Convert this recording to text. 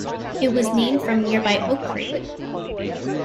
It was named from nearby Oak Creek.